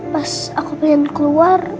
pas aku pengen keluar